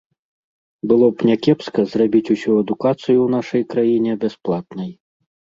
Было б някепска зрабіць усю адукацыю ў нашай краіне бясплатнай.